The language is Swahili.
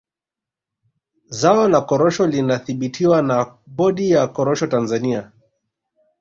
Zao la korosho linadhibitiwa na bodi ya korosho Tanzania